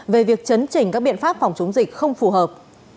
về việc chấn chỉnh các biện pháp phòng chống dịch không phù hợp